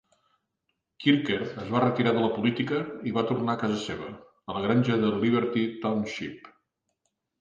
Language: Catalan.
Kirker es va retirar de la política i va tornar a casa seva, a la granja de Liberty Township.